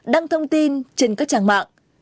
đăng thông tin trên các trang mạng